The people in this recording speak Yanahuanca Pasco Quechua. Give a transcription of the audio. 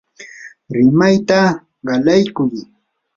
rimayta qalaykuy.